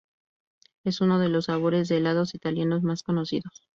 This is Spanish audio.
Es uno de los sabores de helado italianos más conocidos.